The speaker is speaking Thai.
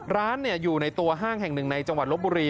ร้านอยู่ในตัวห้างแห่งหนึ่งในจังหวัดลบบุรี